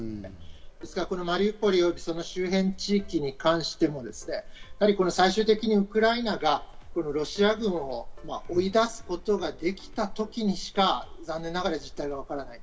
ですからマリウポリ周辺地域に関しても、最終的にウクライナがロシア軍を追い出すことができた時にしか残念ながら実態はわからない。